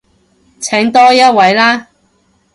請多一位啦